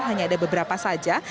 hanya ada beberapa saja